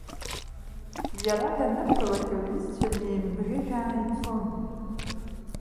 Иара данырбалак, лҩызцәа неимбӷьыжәаа ицон.